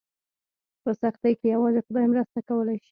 په سختۍ کې یوازې خدای مرسته کولی شي.